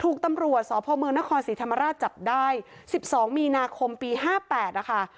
ถูกตำรวจสพมนครศรีธรรมราชจับได้๑๒มีนาคมปี๕๘นะคะ